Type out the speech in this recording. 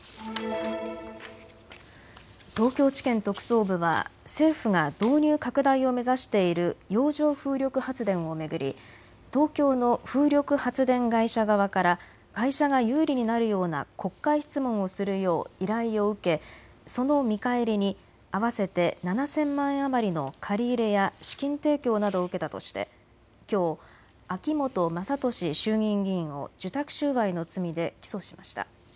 東京地検特捜部は政府が導入拡大を目指している洋上風力発電を巡り、東京の風力発電会社側から会社が有利になるような国会質問をするよう依頼を受けその見返りに合わせて７０００万円余りの借り入れや資金提供などを受けたとしてきょう秋本真利衆議院議員を受託収賄の罪で起訴しました。